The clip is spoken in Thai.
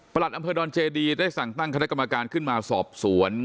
อำเภอดอนเจดีได้สั่งตั้งคณะกรรมการขึ้นมาสอบสวน